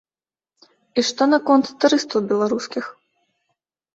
І што наконт турыстаў беларускіх?